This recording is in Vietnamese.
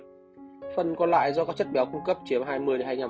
phần còn lại do các chất béo cung cấp chiếm hai mươi hai mươi năm